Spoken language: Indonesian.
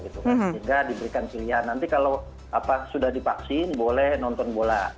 sehingga diberikan pilihan nanti kalau sudah divaksin boleh nonton bola